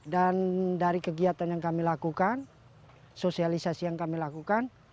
dan dari kegiatan yang kami lakukan sosialisasi yang kami lakukan